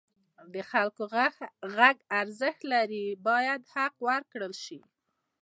د خلکو غږ ارزښت لري او باید حق ورکړل شي.